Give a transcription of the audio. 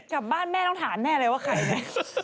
กลับบ้านแม่ต้องถามแม่เลยว่าใครไหม